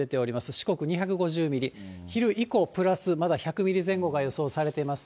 四国２５０ミリ、昼以降、プラスまだ１００ミリ前後が予想されています。